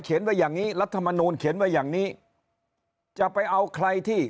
เขียนว่าอย่างนี้รัฐมนตรีเขียนว่าอย่างนี้จะไปเอาใครที่